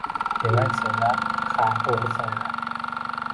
Demak senlar ha o‘g‘risanlar!